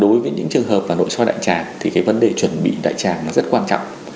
đối với những trường hợp mà nội soi đại tràng thì cái vấn đề chuẩn bị đại tràng nó rất quan trọng